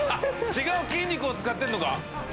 違う筋肉を使ってるのか？